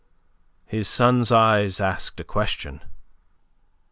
His son's eyes asked a question.